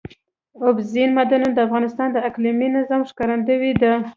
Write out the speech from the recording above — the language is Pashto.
اوبزین معدنونه د افغانستان د اقلیمي نظام ښکارندوی ده.